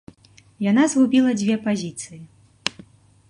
Яна згубіла дзве пазіцыі.